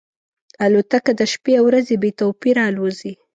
الوتکه د شپې او ورځې بې توپیره الوزي.